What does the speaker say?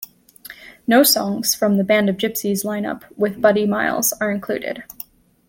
No songs from the "Band of Gypsys" lineup with Buddy Miles are included.